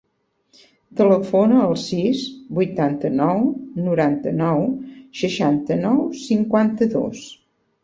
Telefona al sis, vuitanta-nou, noranta-nou, seixanta-nou, cinquanta-dos.